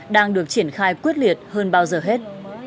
đang được triển khai quyết liệt hơn bao giờ hết